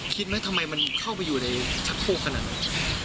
คิดไหมทำไมมันเข้าไปอยู่ในชักโคกขนาดนั้น